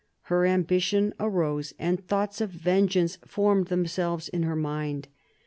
Her ambition arose, and thoughts of vengeance formed themselves in her mind.